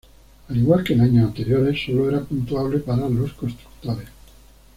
Al igual que en años anteriores solo era puntuable para los constructores.